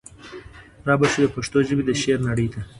را به شو د پښتو ژبي د شعر نړۍ ته